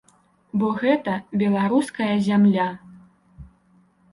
Бо гэта беларуская зямля.